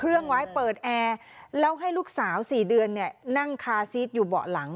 เครื่องไว้เปิดแอร์แล้วให้ลูกสาว๔เดือนนั่งคาซีสอยู่เบาะหลัง